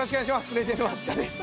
レジェンド松下です